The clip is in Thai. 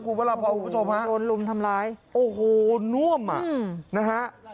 คุณพระราพรคุณผู้ชมฮะโดนลุมทำร้ายโอ้โหน่วมอ่ะนะฮะ